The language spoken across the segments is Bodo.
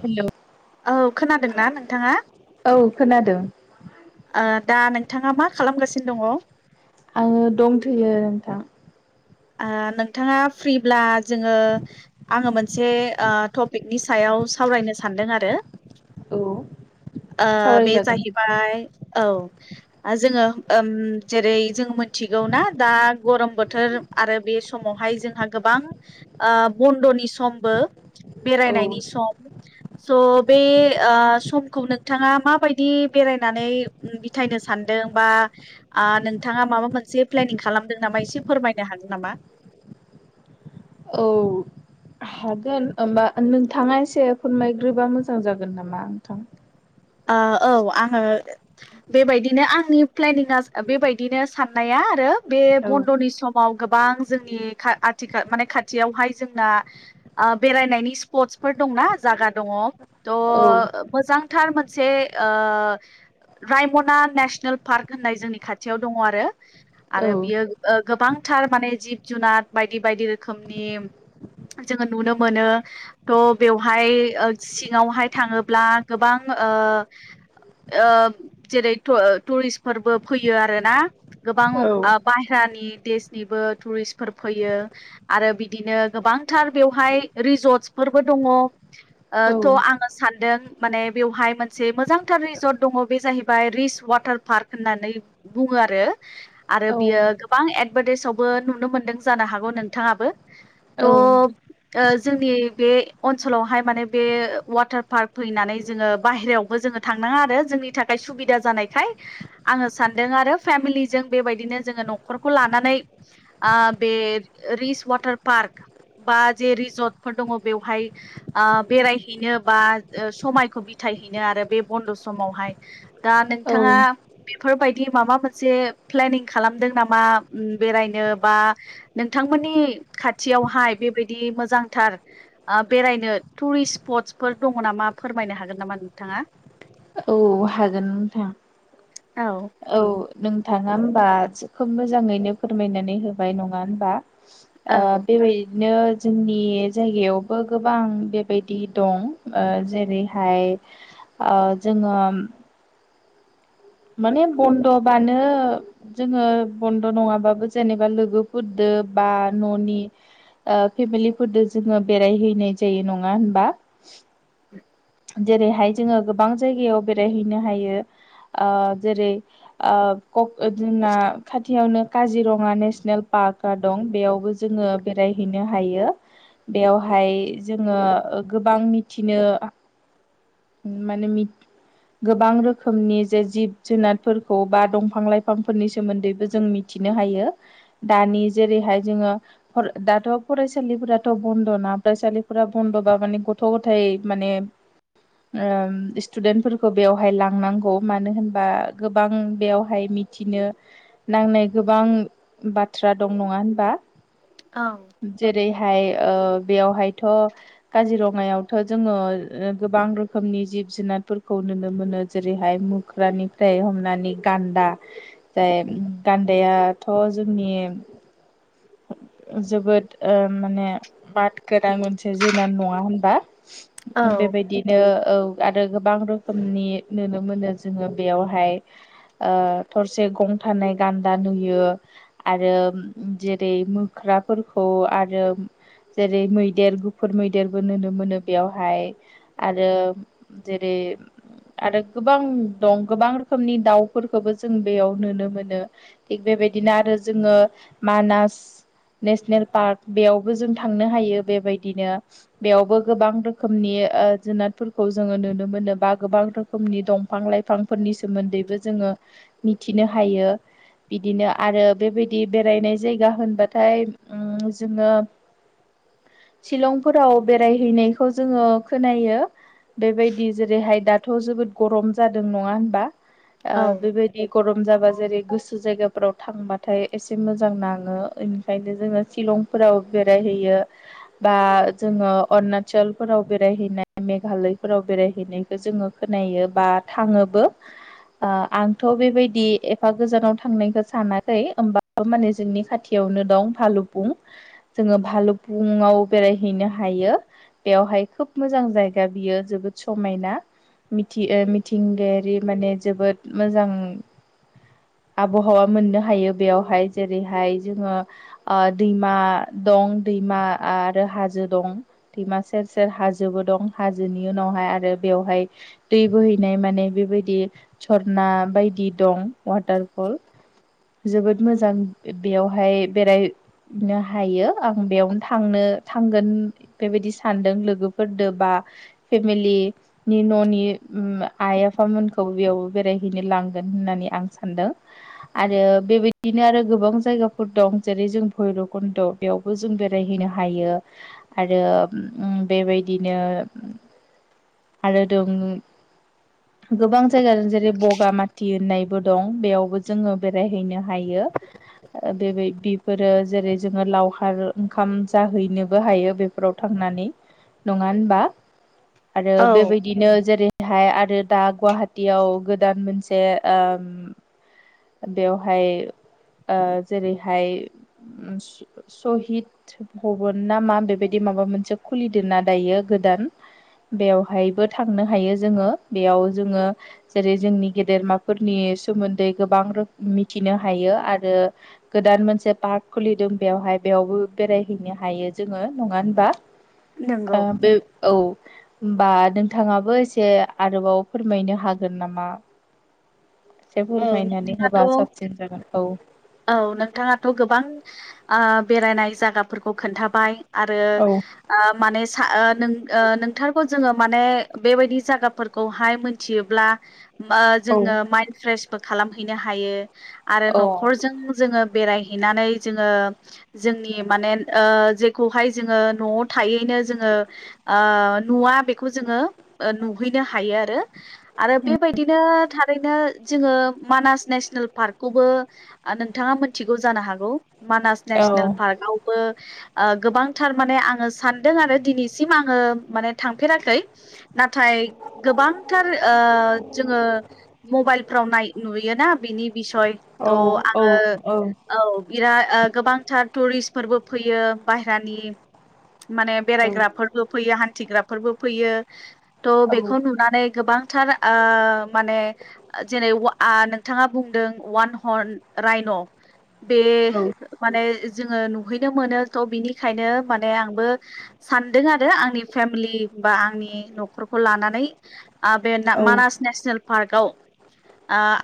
हेलौ। औ खोनादोंना नोंथाङा? औ खोनादों दा नों बिथाङा मा खालामगासिनो दङ? आङो दंथैयो नोंथां। ओ नोंथाङा फ्रिब्ला जोङो आङो मोनसे ओ टपिकनि सायाव सावरायनो सानदों आरो औ ओ बे सावरायजागोन जाहैबाय औ जोङो ओम जेरै जों मिथिगौ ना दा गरम बोथोर आरो बे समावहाय जोंहा गोबां बन्द'नि समबो औ बेरायनायनि सम स' बे समखौ नोंथाङा माबायदि बेरायनानै बिथायनो सान्दों बा ओ नोंथाङा माबा मोनसे प्लेनिं खालामदों नामा एसे फोरमाय नो हागोन नामा? औ हागोन ओमबा नोंथाङा एसे फोरमायग्रोबा मोजां जागोन नामा नोंथां? ओ औ आङो बेबायदिनो आंनि प्लेनिंआ बेबायदिनो साननाया आरो । बे औ बन्द'नि सम समाव गोबां जोंनि खा आथिखाल माने खाथियावहाय जोंना ओ बेरायनायनि स्पटस फोर दंना जागा दङ औ त' मोजांथार मोनसे ओ रायमना नेसनेल पार्क होननाय जोंनि खाथियाव दङ आरो औ आरो बियो गोबां थार माने जिब जुनार बायदि बायदि रोखोमनि जोङो नुनो मोनो थ' बेवहाय सिङावहाय थाङोब्ला गोबां ओ ओ जेरै टुरिस्टफोरबो फैयो आरोना गोबां बाहेरानि देशनिबो टुरिस्फोर फैयो। आरो बिदिनो गोबांथार बेवहाय रिजर्टस फोरबो दङ औ थ' आङो सानदों माने बेवहाय मोनसे मोजांथार रिजर्ट दङ बे जाहैबाय रिस वाटार पार्क होननानै बुङो आरो । आरो बियो औ गोबां एडभार्टाइसआवबो नुनो मोनदों जानो हागौ नोंथाङाबो थ' औ ओ जोंनि बे ओनसोलावहाय माने बे वाटार पार्क फैनानै जोङो बाहेरायावबो जोङो थांनाङा आरो जोंनि थाखाय सुबिदा जानायखाय आङो सानदों आरो फे फेमिलि जों बेबायदिनो जोङो न'खरखौ लानानै ओ बे रिस वाटार पार्क बा जे रिजर्टफोर दङ बेवहाय बेरायहैनो बा समाय खौ बिथायहैनो आरो बे बन्द' समावहाय दा नोंथाङा औ बेफोरबायदि बि माबा मोनसे प्लेनिं खालामदों नामा बेरायनो बा नोंथांमोननि खाथियावहाय बेबायदि मोजांथार बेरायनो टुरिस्ट स्पटसफोर दङ नामा? मा फोरमायनो हागोन नामा नोंथाङा । औ हागोन नोंथां औ औ नोंथाङा होनोमबा खोब मोजाङैनो फोरमायनानै होबाय नङा होनबा? औ बेबायदिनो जोंनि जायगायावबो गोबां बेबायदि दं ओ जेरैहाय ओ जोङो माने बन्दबानो जोङो बन्द' नङाबाबो जेनेबा लोगोफोर बा न'नि फेमिलिफोरजों जोङो बेरायहैनाय जायो नङा होनबा जेरैहाय जोङो गोबां जायगायाव बेरायहैनो हायो । आ जेरैना आ खा खाथियावनो काजिरङा नेसनेल पार्कआ दं बेयावबो जोङो बेरायहैनो हायो बेवहाय जोङो गोबां मिथिनो माने मि गोबां रोखोमनि जे जिब जुनारफोरखौ बा दंफां लाइफांफोरनि सोमोन्दैबो जों मिथि हायो दानि जेरैहाय जोङो दाथ' फरायसालिफोराथ' बन्द' ना फरायसालिफोरा बन्द' बा माने गथ' गथायाइ माने [inaudible] ओ स्टुदेन्टफोरखौ बेवहाय लांनांगौ मानो होनबा गोबां बेवहाय मिथि बिनो नांनाय गोबां बाथ्रा दं नङा होनबा औ जेरै बेहाय ओ बेयावहायथ' काजिरङायावथ' जोङो गोबां रोखोमनि जिब जुनारफोरखौ नुनो मोनो जेरैहाय मोख्रानिफ्राय हमनानै गा गान्दा जाय गान्दायाथ' जोंनि जोबोद माने बाद गोनां मोनसे जुनार नङा होनबा बेबायदिनो औ आरो गोबां रोखोमनि नुनो मोनो जोङो बेयावहाय ओ थरसे गंथानै गान्दा नुयो आरो जेरै मोख ग्राफोरखौ आरो जेरै मैदेर गुफुर मैदेरबो नुनो मोनो बेवहाय आरो जेरै आरो गोबां दं गोबां रोखोमनि दाउफोरखौबो जों बेयाव नुनो मोनो। थिग बे बेबायदिनो आरो जोङो मानास नेसनेल पार्क बेयावबो जों थांनो हायो बेबायदिनो बेयावबो गोबां रोखोमनि ओ जुनादफोरखौ जोङो नुनो मोनो बा गोबां रोखोमनि दंफां लाइफांफोरनि सोमोन्दैबो जोङो मिथिनो हायो। बिदिनो आरो बेबायदि बेरायनाय जायगा होनबाथाय ओम जोङो। [inaudible] सिलंफोराव बेरायहैनायखौ जोङो खोनायो बेबायदि जेरैहाय दाथ' जोबोद गरम जादों नङा होनबा ओ औ बेबायदि गरम जाबा जेरै गोसो जायगाफ्राव थांबाथाय एसे मोजां नाङो ओंखायनो जोङो सिलं फ्राव बेरायहैयो बा जोङो अरुनाचल फ्राउ बेरायहैनाय मेघालयफोराव बेरायहैनायखौ जोङो खोनायो बा थाङोबो। ओ आंथ' बेबायदि एफा गोजानाव थांनायखौ सानाखै होमबाबो माने जोंनि खाथियाव नो दं भालुकफुं जोङो भालुफुंआव बेरायहैनो हायो। बेवहाय खोब मोजां जायगा बियो जोबोद समायना। मिथि ओ मिथिंगायारि माने जोबोद मोजां आबहावा मोननो हायो बेयावहाय जेरैहाय जोङो ओ दैमा दं दै दैमा आरो हाजो दं दैमा सेर सोर हाजोबो दं हाजोनि उनावहाय आरो बेवहाय दै बोहैनाय माने बेबायदि सरना बायदि दं वाटारफल जोबोद मोजां बेयावहाय बेराय नो हायो आं बेयावनो थांनो थांगोन बेबायदि सान सानदों लोगोफोरजों बा फेमिलिनि न'नि आइ आफामोनखौ अबेआव बेरायहैनो लांगोन होननानै आं फोर दं जेरै जों भैरबकन्द' बेयावबो जों बेरायहैनो हायो आरो ओम बेबायदिनो आरो दं गोबां जायगाजों जेरै- बगामाथि नायबो दं बेयावबो जोङो बेरायहैनो हायो बेबाय बिफोरो जेरै जोङो लावखार ओंखाम जाहैनोबो हायो बेफोराव थांनानै नङा होनबा आरो औ बेबायदिनो जेरै- बेहाय आरो दा गुवाहाटियाव गोदान मोनसे ओ बेवहाय ओ जेरैहाय सहिद भबन ना मा बेबायदि माबा माबा मोनसे खुलिदों ना दायो गोदान बेवहायबो थांनो हायो जोङो बेयाव जोङो जेरै जोंनि गेदेरमाफोरनि सोमोन्दै गोबां रो मिथिनो हायो आरो गोदान मोनसे पार्क खुलिदों बेयावहा बाय बेयावबो बेरायहैनो हायो जोङो नङा होनबा ओ नंगौ बे औ होनबा नोंथाङाबो एसे आरोबाव फोरमायनो हागोन नामा? एसे औ फोरमायनानै होबा नोंथाङाथ' साबसिन जागोन औ औ नोंथाङाथ' गोबां ओ बेरायनाय जायगाफोरखौ खोन्थाबाय आरो औ आ माने सा ओ ओ नोंथारगो जोङो माने बेबायदि जायगाफोरखौहाय मोनथियोब्ला औ जोङो माइन्द फ्रेसबो खालामहैनो हायो आरो औ नख' जों जोङो बेरायहैनानै जोङो जोंनि माने ओ जेखौहाय जोङो न'आव थायैनो जोङो ओ नुवा बेखौ जोङो नुहैनो हायो आरो आरो बेबायदिनो थारैनो जोङो मानास नेसनेल पार्कखौबो आं नोंथाङा मोनथिगौ जानो हागौ मानास औ नेसनेल पार्क आवबो ओ गोबांथार माने आङो सानदों आरो दिनैसिम आङो माने थांफेराखै नाथाय गोबां थार ओ जोङो मबाइलफ्राव नाय नुयोना बिनि बिसय थ' औ आङो औ फोरबो फैयो बायहरानि माने औ बेरायग्राफोरबो फैयो थिग्राफोरबो फैयो थह बेखौ नुनानै गोबांथार ओ माने जेरै वा आं नोंथाङा बुंदों वान हर्न राइन' बे माने जोङो नु हैनो मोनो थ' बिनिखायनो माने आंबो सानदों आरो आंनि फेमिलि बा आंनि न'खरखौ लानानै आ बे ना औ मानास नेसनेल पार्कआव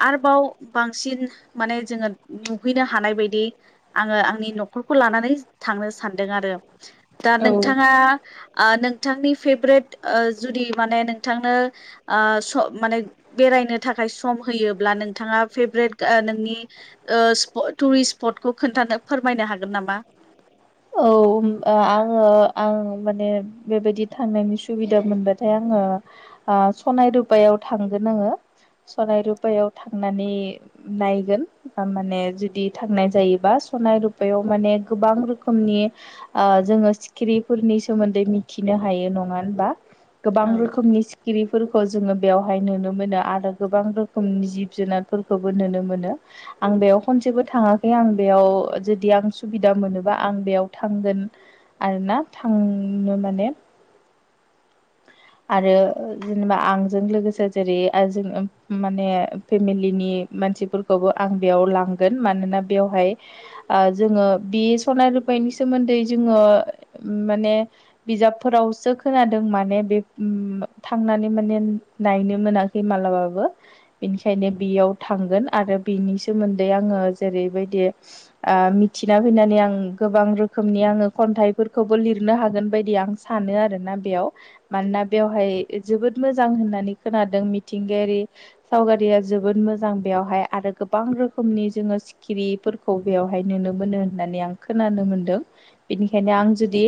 आरोबाव बांसिन माने जोङो नुहैनो हानाय बायदि आङो आंनि न'खरखौ लानानै थांनो सानदों आरो दा औ नोंथाङा ओ नोंथांनि फेभरेट जुदि माने नोंथांनो माने बे नो थाखाय सम होयोब्ला नोंथाङा फेब्रेट गा ओ नि ओ स्पट टुरिस स्पटखौ खोनथानो फोरमायनो हागोन नामा? औ आङो आं माने बेबायदि थांनायनि सुबिदा मोनबाथाय आं आ ओ सनाय रुबायाव थांगोन नोङो सलाय रुपायाव थांनानै नायगोन थारमाने जुदि थांनाय जायोबा सनाय रुपायाव माने गोबां रोखो रोखोमनि ओ जोङो सिखिरिफोरनि सोमोन्दै मिथिनो हायो नङा होनबा गोबां औ रोखोमनि गिरिफोरखौ जोङो बेवहाय नुनो मोनो आरो गोबां रोखोमनि जिब जुनारफोरखौबो नुनो मोनो आं बेयाव खनसेबो थाङाखै आं बेयाव जुदि आं सुबिदा मोनोब्ला बा आं बेयाव थांगोन आरोना थांनो माने [inaudible] आरो जेनेबा आंजों लोगोसे जेरै आजों माने फेमिलिनि मानसिफोरखौबो आं बेयाव लांगोन मानोना बेवहाय आ जोङो बि सनाय रुपायनि सोमोन्दै जोङो माने बिजाबफोरावसो खोनादों माने बे उम थांनानै माने नायनो मोनाखै मालाबाबो बेनिखायनो बेयाव थांगोन आरो बिनि सोमोन्दै आङो जेरैबायदि ओ मिथिना फैनानै आं गोबां रोखोमनि आङो खन्थाइफोरखौबो लिरनो हागोन बायदि आं सानो आरोना बेयाव मान मानोना बेवहाय जोबोद मोजां होननानै खोनादों मिथिंगायारि सावगारिया जोबोद मोजां आं बेवहाय आरो गोबां रोखोमनि जोङो सिखिरिफोरखौ बेवहाय नुनो मोनो होननानै आं खोनानो मोनदों बेनिखायनो आं जुदि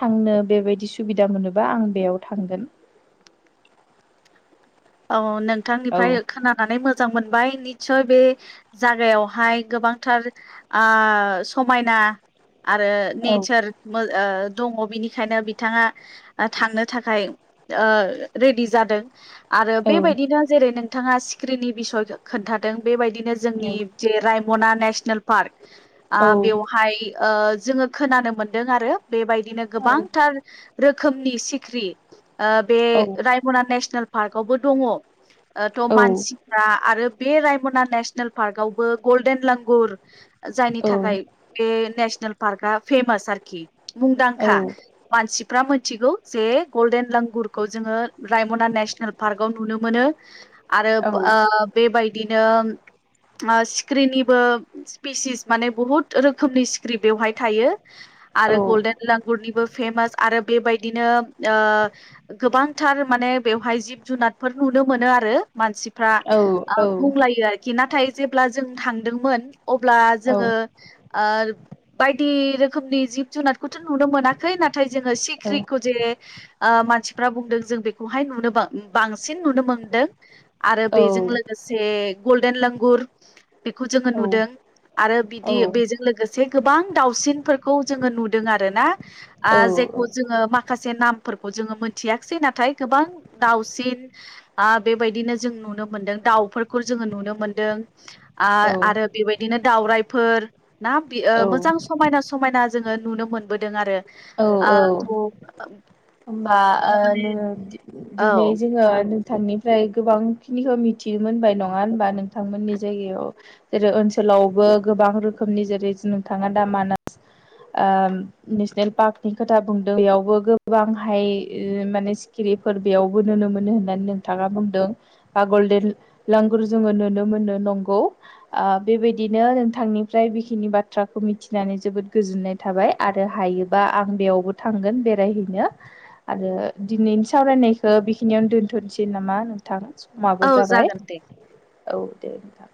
थांनो बेबायदि सुबिदा मोनोबा आं बेयाव थांगोन [inaudible] औ औ नोंथांनिफ्राय खोनानानै मोजां मोन बाय निचय बे जागायावहाय गोबांथार आ समायना आरो औ नेचार मा ओ दङ बिनिखायनो बिथाङा थांनो थाखाय रेडि जादों आरो औ बेबायदिनो जेरै नोंथाङा स्क्रिननि बिसय खोन्थादों बेबायदिनो जोंनि जे राइम मना नेसनेल पार्क औ बेवहाय जोङो खोनानो मोनदों आरो बेबायदिनो गोबांथार रोखोमनि सिख्रि बे औ रायमना नेसनेल पार्कआवबो दङ थ' मानसिफ्रा आरो बे रायमना नेसनेल पार्कआवबो गल्डेन लांगुर जायनि औ थाखाय बे नेसनेल पार्कआ फेमास आरोखि औ मुंदांखा मानसिफ्रा मिथिगौ जे गल्डेन लगुरखौ जोङो रायमना नेसनेल पार्कव नुनो मोनो आरो औ आ बेबायदि नोम सिक्रिनिबो स्पिसिस माने बहुत रोखोमनि सिक्रि बेवहाय थायो आरो गल्डेन लांगुरनिबो फेमास आरो बेबायदिनो ओ गोबांथार मान बेवहाय जिब जुनादफोर नुनो मोनो आरो मानसिफ्रा ओ बुंलायो आरोखि नाथाय जेब्ला जों थांदोंमोन अब्ला जोङो ओ बायदि रोखोमनि जिब जुनार खौथ' नुनो मोनाखै नाथाय जोङो सिख्रिखौ जे ओ मानसिफ्रा बुंदों जों बेखौहाय नुनो बा बांसिन नुनो मोनदों आरो बेजों लोगोसे गल्डेन लांगुर बेखौ जोङो नुदों । आरो बिदि बेजों लोगोसे गोबां दाावसिनफोरखौ जोङो नुदों आरो ना आ जे जायखौ जोङो माखासे नामफोरखौ जोङो मोनथियाखिसै नाथाय गोबां दाउसिन आ बेबायदिनो जों नुनो मोनदों दाउफोर खुल जोङो नुनो मोनदों । आ-आरो बेबायदिनो दावरायफोर ना बि ओ औ मोजां समायना समायना जोङो नुनो मोनबोदों आरो औ आ औ थ [unintelligible] होमबा ओ माने नोङो औ दिनै जोङो नोंथांनिफ्राय गोबांखिनिखौ मिथिनो मोनबाय नङा होनबा नोंथांमोननि जायगायाव जेरै ओ ओनसोलावबो गोबां रोखोमनि जेरैस नोंथाङा दा मानास ओ नेसनेल पार्कनि खोथा बुंदों बेयावबो गोबां हाय ओ माने सिखिरि बेफोर बेयावबो नुनो मोनो होननानै नोंथाङा बुंदों बा गल्डेन लांगुर जोङो नुनो मोन ओ नंगो ओ बेबायदिनो नोंथांनिफ्राय बेखिनि बाथ थ्राखौ मिथिनानै जोबोद गोजोननाय थाबाय आरो हायोबा आं बेयावबो थांगोन बेरायहैनो आरो दिनैनि सावरायनायखौ बेखिनियावनो दोन्थ'सै नामा नोंथां । औ माबो जाबाय जागोन दे औ दे नोंथां ।